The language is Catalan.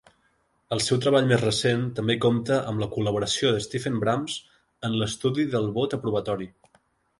El seu treball més recent també compta amb la col·laboració de Steven Brams en l'estudi del vot aprovatori.